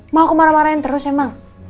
mau aku marah marahin terus ya emang